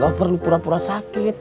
gak perlu pura pura sakit